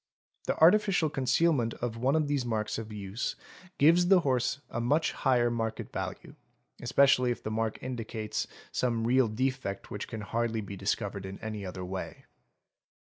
The artificial concealment of one of these marks of use gives the horse a much higher market value, especially if the mark indicates some real defect which can hardly be discovered in any other way.